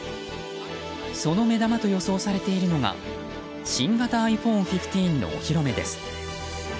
その目玉と予想されているのが新型ｉＰｈｏｎｅ１５のお披露目です。